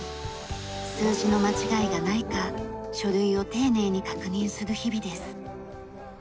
数字の間違いがないか書類を丁寧に確認する日々です。